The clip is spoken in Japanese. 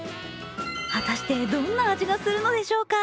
果たしてどんな味がするのでしょうか？